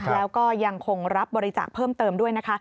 แล้วก็ยังคงรับบริจาคเพิ่มเติมด้วยนะคะ